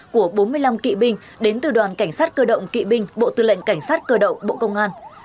của bốn mươi năm kỵ binh đến từ đoàn cảnh sát cơ động kỵ binh bộ tư lệnh cảnh sát cơ động bộ công an